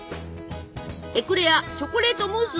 エクレアチョコレートムース